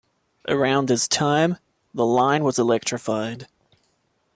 Around this time, the line was electrified.